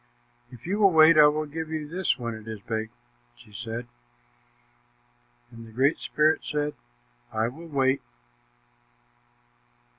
"If you will wait, I will give you this when it is baked," she said, and the Great Spirit said, "I will wait."